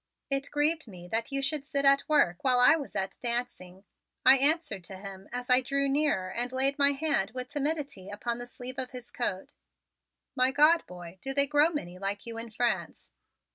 It grieved me that you should sit at work while I was at dancing," I answered to him as I drew nearer and laid my hand with timidity upon the sleeve of his coat. "My God, boy, do they grow many like you in France?"